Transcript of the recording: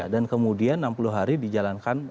dan kemudian enam puluh hari dijalankan